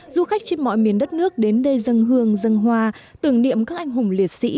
du khách trên mọi miền đất nước đến đây dân hương dân hoa tưởng niệm các anh hùng liệt sĩ